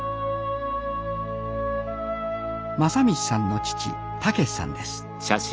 正道さんの父・猛さんです。